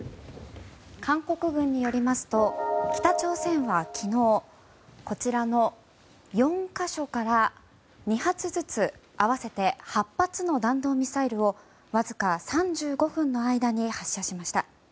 韓国軍によりますと北朝鮮は昨日こちらの４か所から２発ずつ、合わせて８発の弾道ミサイルをわずか３５分の間に発射しました。